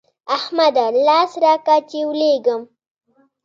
احمده! لاس راکړه چې لوېږم.